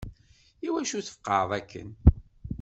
Iwacu tfeqeεeḍ akken?